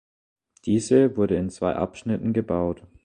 Diese wurde in zwei Abschnitten gebaut.